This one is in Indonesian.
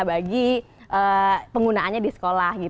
bagi penggunaannya di sekolah